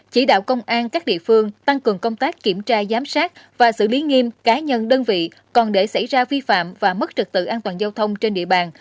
chỉ đạo công an các địa phương tăng cường công tác kiểm tra giám sát và xử lý nghiêm cá nhân đơn vị còn để xảy ra vi phạm và mất trực tự an toàn giao thông trên địa bàn